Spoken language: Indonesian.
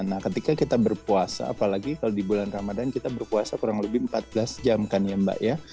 nah ketika kita berpuasa apalagi kalau di bulan ramadhan kita berpuasa kurang lebih empat belas jam kan ya mbak ya